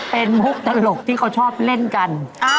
เป็นมุกตลกที่เขาชอบเล่นกัน